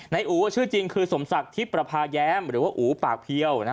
อู๋ชื่อจริงคือสมศักดิ์ทิพย์ประพาแย้มหรือว่าอู๋ปากเพียว